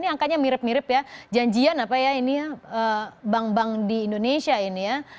ini angkanya mirip mirip ya janjian apa ya ini ya bank bank di indonesia ini ya